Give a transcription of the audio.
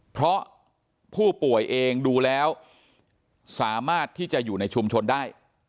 เพราะผู้ป่วยเองดูแล้วสามารถที่จะอยู่ในชุมชนได้